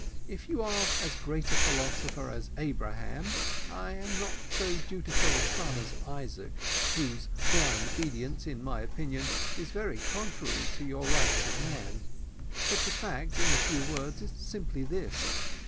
If you are as great a philosopher as Abraham, I am not quite so dutiful a son as Isaac, whose blind obedience, in my opinion, is very contrary to your rights of man: but the fact, in few words, is simply this.